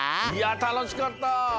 いやたのしかった！